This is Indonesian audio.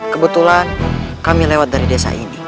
kebetulan kami lewat dari desa ini